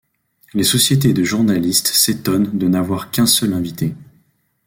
Les sociétés de journalistes s'étonnent de n'avoir qu'un seul invité.